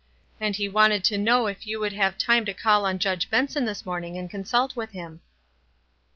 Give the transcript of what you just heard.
And he wanted to know if you would have time to call on Judge Benson this morning and consult with him."